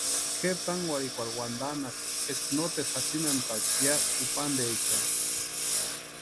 Kʼeri tánkwarhikwarhu wantanhasti eska noteru jatsinhantaka ya kupantaechani.